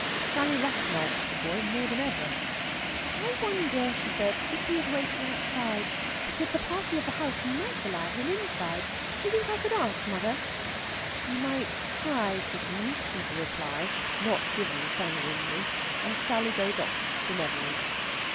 Sally recognises the boy more than ever. "I wonder," she says, "if he's waiting outside. Because the party of the house might allow him inside. Do you think I could ask, mother?" "You might try, kitten," is the reply, not given sanguinely. And Sally goes off, benevolent.